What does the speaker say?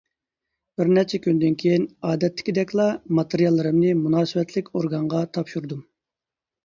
بىر نەچچە كۈندىن كېيىن، ئادەتتىكىدەكلا، ماتېرىياللىرىمنى مۇناسىۋەتلىك ئورگانغا تاپشۇردۇم.